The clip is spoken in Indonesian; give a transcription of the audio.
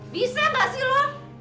bisa enggak sih lu